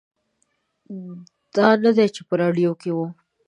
دا نه دی چې په راډیو کې و.